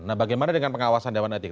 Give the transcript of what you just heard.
nah bagaimana dengan pengawasan dewan etik